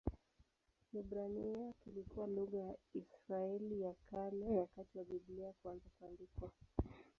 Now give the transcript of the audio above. Kiebrania kilikuwa lugha ya Israeli ya Kale wakati wa Biblia kuanza kuandikwa.